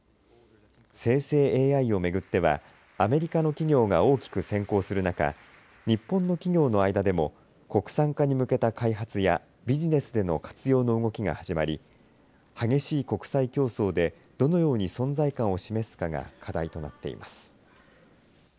生成ＡＩを巡ってはアメリカの企業が大きく先行する中日本の企業の間でも国産化に向けた開発やビジネスでの活用の動きが始まり、激しい国際競争でどのように存在感を示すかが課題となっています。